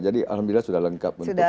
jadi alhamdulillah sudah lengkap untuk